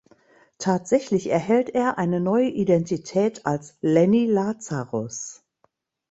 Tatsächlich erhält er eine neue Identität als Lenny Lazarus.